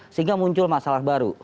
sehingga muncul masalah baru